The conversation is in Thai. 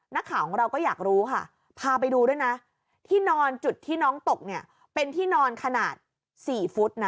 นักข่าวของเราก็อยากรู้ค่ะพาไปดูด้วยนะที่นอนจุดที่น้องตกเนี่ยเป็นที่นอนขนาด๔ฟุตนะ